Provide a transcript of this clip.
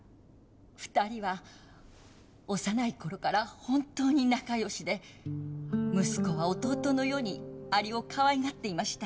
２人は幼い頃から本当に仲よしで息子は弟のようにアリをかわいがっていました。